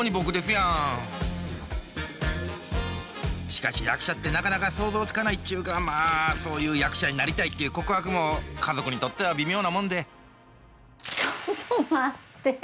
しかし役者ってなかなか想像つかないっちゅうかまあそういう役者になりたいっていう告白も家族にとっては微妙なもんでちょっと待って。